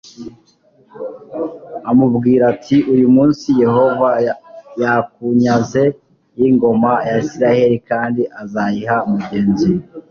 amubwira ati uyu munsi Yehova yakunyaze y ingoma ya Isirayeli kandi azayiha mugenzi